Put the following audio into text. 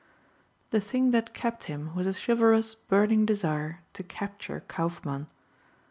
The thing that kept him was a chivalrous, burning desire to capture Kaufmann.